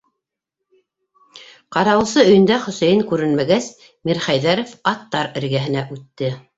Ҡарауылсы өйөндә Хөсәйен күренмәгәс, Мирхәйҙәров аттар эргәһенә үтте.